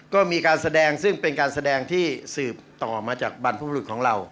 ก็มีการแสดงซึ่งเป็นการแสดงที่สืบต่อมาจากบรรพบุรุษของเรา